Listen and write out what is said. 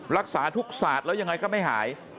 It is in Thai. รักษาทุกศาสตร์แล้วยังไงก็ไม่หาย